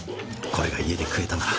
これが家で食えたなら。